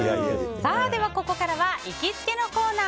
では、ここからは行きつけのコーナー。